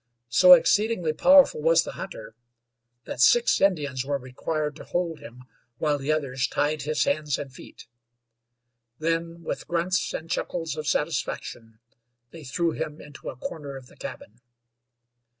So exceedingly powerful was the hunter that six Indians were required to hold him while the others tied his hands and feet. Then, with grunts and chuckles of satisfaction, they threw him into a corner of the cabin.